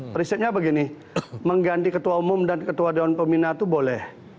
prinsipnya begini mengganti ketua umum dan ketua dewan pembina itu boleh